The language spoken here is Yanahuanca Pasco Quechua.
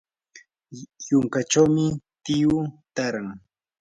yunkachawmi tiyu taaran.